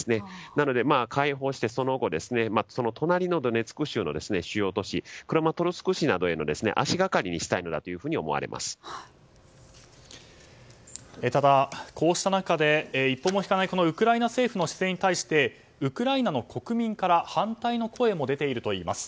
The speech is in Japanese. なので、解放してその後隣のドネツク州の主要都市クラマトルスク市などへの足がかりにしたいのだとただ、こうした中で一歩も引かないウクライナ政府の姿勢に対してウクライナの国民から反対の声も出ているといいます。